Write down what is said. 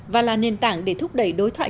và là nền tảng để thúc đẩy đối thoại